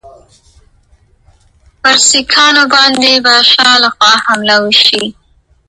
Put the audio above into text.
د ادب، درناوي او مهربانۍ اخلاق ټولنه کې د سولې فضا رامنځته کوي.